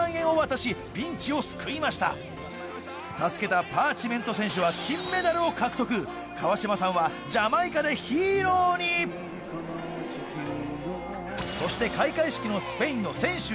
助けたパーチメント選手は金メダルを獲得河島さんはジャマイカでヒーローにそして「オリンピックに」